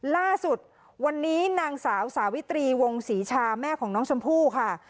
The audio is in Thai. ล่าสุดวันนี้นางสาวสาวิตรีวงศรีชาแม่ของน้องชมพู่ค่ะ